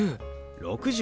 「６０」。